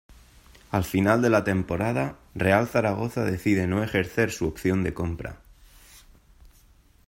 Al final de la temporada, Real Zaragoza decide no ejercer su opción de compra.